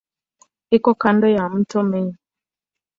Iko kando ya mto Main.